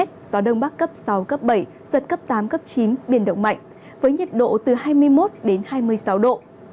gió đông bắc cấp sáu cấp bảy giật cấp tám cấp chín biển động mạnh với nhiệt độ từ hai mươi một đến hai mươi sáu độ